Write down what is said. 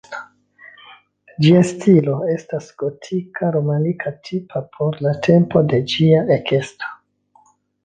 Ĝia stilo estas la gotika-romanika tipa por la tempo de ĝia ekesto.